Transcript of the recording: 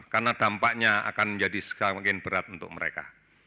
karena dampaknya akan menjadi semakin berat untuk mereka